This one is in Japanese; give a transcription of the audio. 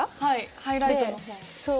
ハイライトのほう。